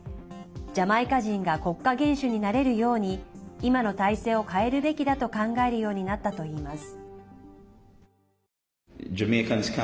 ジャマイカ人が国家元首になれるように今の体制を変えるべきだと考えるようになったといいます。